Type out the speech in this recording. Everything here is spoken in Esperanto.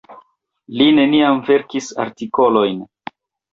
Li neniam verkis artikolojn.